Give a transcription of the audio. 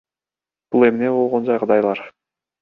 Бул эмне болгон жагдайлар?